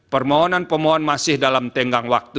permohonan pemohon masih dalam tenggang waktu